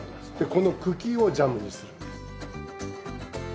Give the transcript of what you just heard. この茎をジャムにするんです。